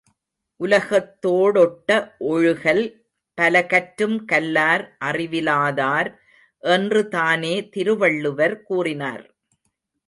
உலகத்தோ டொட்ட ஒழுகல் பலகற்றும் கல்லார் அறிவிலா தார் என்று தானே திருவள்ளுவர் கூறினார்.